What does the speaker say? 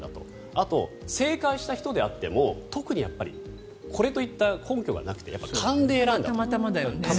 あと正解した人であっても特にこれといった根拠がなくて勘で選んだと。